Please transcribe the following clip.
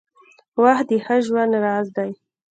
• وخت د ښه ژوند راز دی.